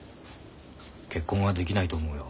結婚はできないと思うよ。